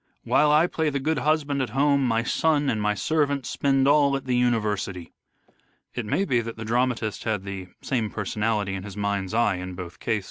While I play the good husband at home my son and my servant spend all at the university." It may be that the dramatist had the same personality in his mind's eye in both cases.